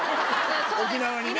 沖縄にね。